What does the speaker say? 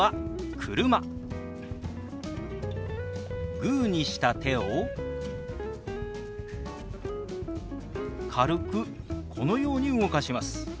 グーにした手を軽くこのように動かします。